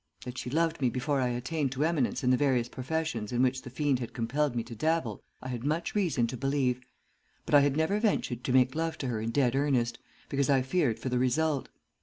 That she loved me before I attained to eminence in the various professions in which the fiend had compelled me to dabble, I had much reason to believe; but I had never ventured to make love to her in dead earnest, because I feared for the result.